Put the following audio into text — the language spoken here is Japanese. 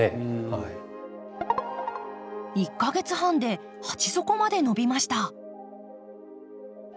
１か月半で鉢底まで伸びました。